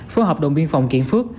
phố hợp đồng biên phòng kiện phước